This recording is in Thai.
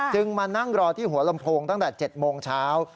มานั่งรอที่หัวลำโพงตั้งแต่๗โมงเช้า